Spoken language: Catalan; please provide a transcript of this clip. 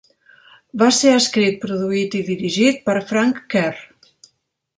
Va ser escrit, produït i dirigit per Frank Kerr.